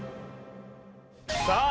さあ